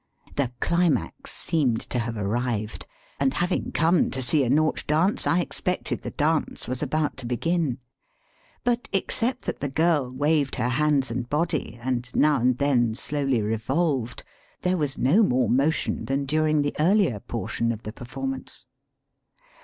'* The plimax seemed to have arrived, and having come to see a Nautch dance, I expected the dance was ahout to hegin. But except that the girl waved her hands and body and now and then slowly revolved, there was no more motion than during the earlier portion of the performance.